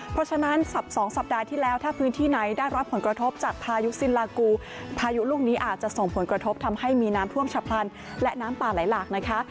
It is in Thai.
เพราะฉะนั้น๒สัปดาห์ที่แล้วถ้าพื้นที่ไหนได้รับผลกระทบจากพายุสินลากูพายุลูกนี้อาจจะส่งผลกระทบทำให้มีน้ำท่วมฉับพลันและน้ำป่าไหลหลากนะคะ